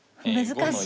難しい。